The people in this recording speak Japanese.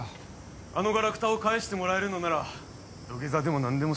あのがらくたを返してもらえるのなら土下座でも何でもしよう。